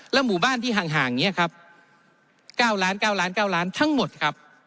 หมู่บ้านที่ห่างนี้ครับ๙ล้าน๙ล้าน๙ล้านทั้งหมดครับ